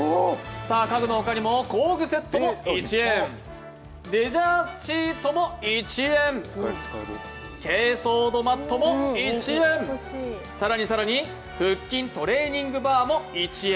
家具の他にも工具セットも１円、レジャーシートも１円、けいそう土マットも１円、更に更に腹筋トレーニングバーも１円。